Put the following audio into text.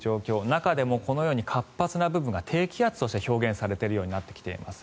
中でも、このように活発な部分が低気圧として表現されているようになってきています。